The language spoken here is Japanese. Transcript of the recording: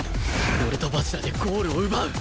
俺と蜂楽でゴールを奪う！